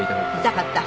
痛かった？